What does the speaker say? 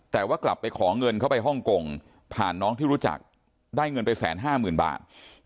แต่ว่ากลับไปขอเงินเข้าไปฮ่องกงผ่านน้องที่รู้จักได้เงินไป๑๕๐๐๐บาท